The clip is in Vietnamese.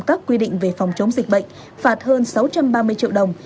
các quy định về phòng chống dịch bệnh phạt hơn sáu trăm ba mươi triệu đồng